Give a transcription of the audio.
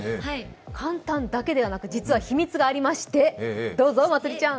簡単だけではなく、実は秘密がありまして、どうぞ、まつりちゃん。